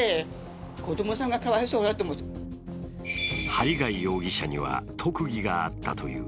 針谷容疑者には特技があったという。